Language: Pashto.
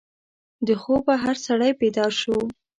د خوبه هر سړی بیدار شو.